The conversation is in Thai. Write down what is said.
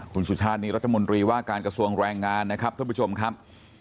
คุณสุชาตินี่รัฐมนตรีว่าการกระทรวงแรงงานนะครับท่านผู้ชมครับ